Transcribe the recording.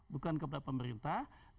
bukan kepada pemerintah